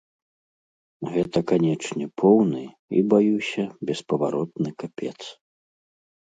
Гэта, канечне, поўны і, баюся, беспаваротны капец.